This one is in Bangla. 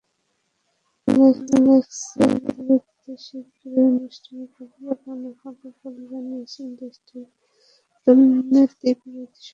আলেক্সেইর বিরুদ্ধে শিগগিরই আনুষ্ঠানিক অভিযোগ আনা হবে বলে জানিয়েছে দেশটির দুর্নীতিবিরোধী সংস্থা।